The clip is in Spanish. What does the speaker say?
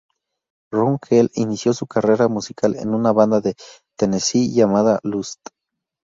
Ron Keel inició su carrera musical en una banda de Tennessee llamada Lust.